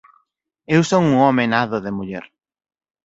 Eu son un home nado de muller.